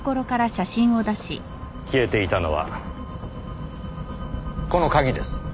消えていたのはこの鍵です。